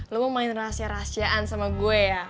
lo gue main rahasia rahasiaan sama gue ya